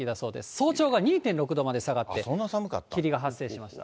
早朝が２．６度まで下がって、霧が発生しました。